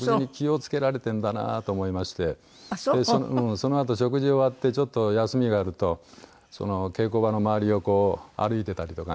そのあと食事終わってちょっと休みがあると稽古場の周りを歩いてたりとかね。